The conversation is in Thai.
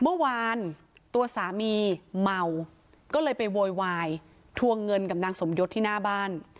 เมื่อวานตัวสามีเมาก็เลยไปโวยวายทวงเงินกับนางสมยศที่หน้าบ้าน